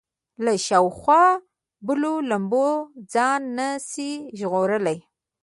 له شاوخوا بلو لمبو ځان نه شي ژغورلی.